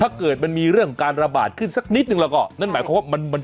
ถ้าเกิดมันมีเรื่องการระบาดขึ้นสักนิดนึงแล้วก็นั่นหมายความว่ามันมัน